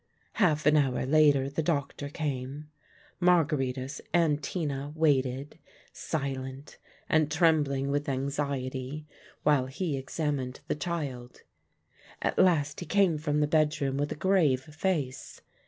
Half an hour later the doctor came. Margaritis and Tina waited, silent and trembling with anxiety, while he examined the child. At last he came from the bedroom with a grave face.